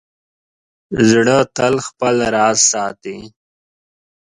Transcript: زړه تل خپل راز ساتي.